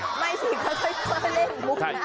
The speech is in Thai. ไม่สิเขาจะเล่นมุม